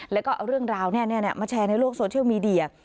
แล้วก็เอาเรื่องราวมาแชร์ในโลกโซเชียลมีเดีย